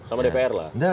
sama dpr lah